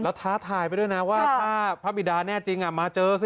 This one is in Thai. แล้วท้าทายไปด้วยนะว่าถ้าพระบิดาแน่จริงมาเจอสิ